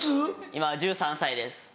今１３歳です。